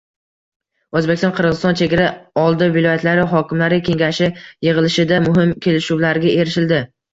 O‘zbekiston-Qirg‘iziston: chegara oldi viloyatlari hokimlari kengashi yig‘ilishida muhim kelishuvlarga erishildi